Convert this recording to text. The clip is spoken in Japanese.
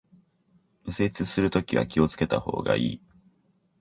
右折するときは気を付けた方がいい